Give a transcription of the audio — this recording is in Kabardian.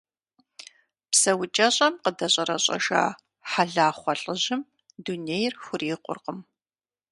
ПсэукӀэщӀэм къыдэщӀэрэщӀэжа Хьэлахъуэ лӀыжьым дунейр хурикъуркъым.